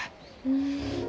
うん。